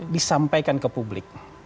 disampaikan ke publik